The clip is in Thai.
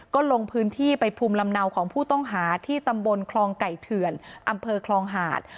ก็ลงพื้นที่ไปภูมิลำเนาของผู้ต้องหาที่ตำบลคลองไก่เถื่อนอำเภอคลองหาด